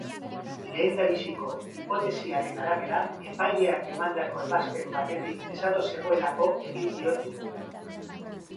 Lehendabiziko hipotesiaren arabera, epaileak emandako ebazpen batekin desados zegoelako egin dio tiro.